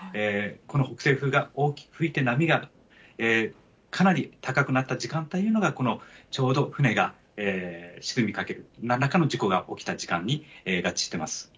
この北西風が大きく吹いて、波がかなり高くなった時間というのが、このちょうど船が沈みかける、なんらかの事故が起きた時間に合致しています。